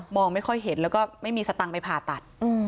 ไม่ค่อยเห็นแล้วก็ไม่มีสตังค์ไปผ่าตัด